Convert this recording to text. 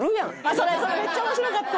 それめっちゃ面白かった。